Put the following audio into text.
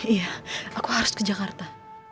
iya aku harus ke jakarta